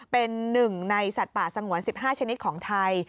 เป็นหนึ่งในสัตว์ป่าสงวน๑๕ชนิดของไทย